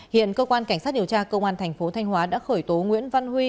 hiện cơ quan cảnh sát điều tra công an tp thanh hóa đã khởi tố nguyễn văn huy